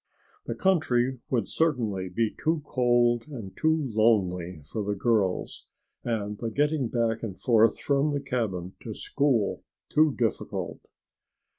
The country would certainly be too cold and too lonely for the girls and the getting back and forth from the cabin to school too difficult.